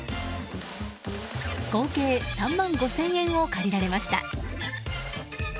合計３万５０００円を借りられました。